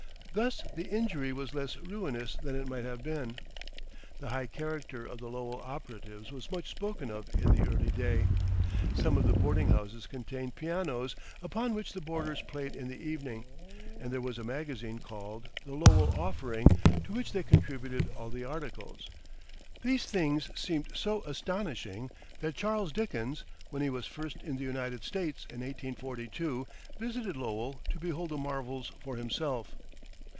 Thus the injury was less ruinous than it might have been. The high character of the Lowell operatives was much spoken of in the early day. Some of the boarding houses contained pianos upon which the boarders played in the evening, and there was a magazine called the "Lowell Offering," to which they contributed all the articles. These things seemed so astonishing that Charles Dickens, when he was first in the United States, in 1842, visited Lowell to behold the marvels for himself.